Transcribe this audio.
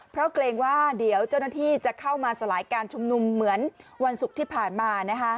เพราะเกรงว่าเดี๋ยวเจ้าหน้าที่จะเข้ามาสลายการชุมนุมเหมือนวันศุกร์ที่ผ่านมา